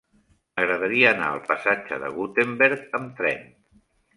M'agradaria anar al passatge de Gutenberg amb tren.